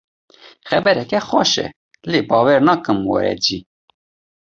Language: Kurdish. Xebereke xweş e lê bawer nakim were cî.